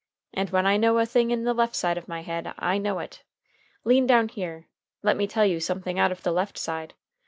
And when I know a thing in the left side of my head, I know it. Lean down here. Let me tell you something out of the left side.